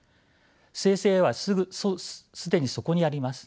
生成ＡＩは既にそこにあります。